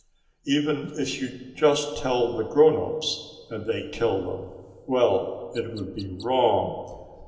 Even if you just tell the grownups and they kill them well, it would be wrong.